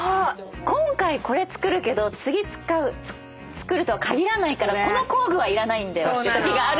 今回これ作るけど次作るとは限らないからこの工具はいらないんだよっていうときがあるのよ。